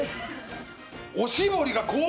おしぼりが氷！